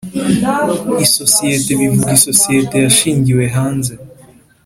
Isosiyete bivuga isosiyete yashingiwe hanze